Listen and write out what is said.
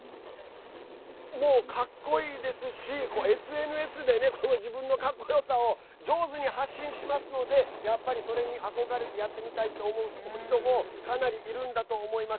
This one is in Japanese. かっこいいですしＳＮＳで自分のかっこよさを上手に発信しますのでそれに憧れてやってみたいと思う人もかなりいるんだと思います。